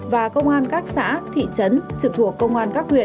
và công an các xã thị trấn trực thuộc công an các huyện